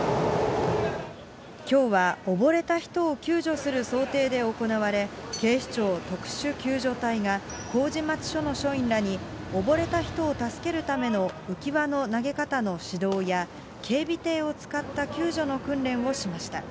きょうはおぼれた人を救助する想定で行われ、警視庁特殊救助隊が、麹町署の署員らに溺れた人を助けるための浮き輪の投げ方の指導や、警備艇を使った救助の訓練をしました。